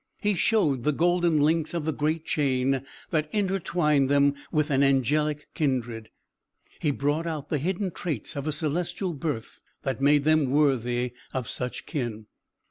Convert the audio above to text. He showed the golden links of the great chain that intertwined them with an angelic kindred; he brought out the hidden traits of a celestial birth that made them worthy of such kin.